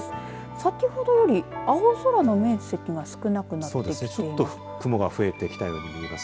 先ほどより青空の面積が少なくなってきています。